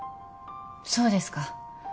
そうですか。